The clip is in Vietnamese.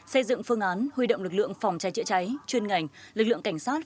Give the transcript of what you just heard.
xây dựng phương án huy động lực lượng phòng cháy chữa cháy chuyên ngành lực lượng cảnh sát